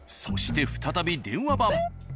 そして再び電話番。